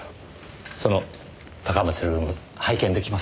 その高松ルーム拝見できますか？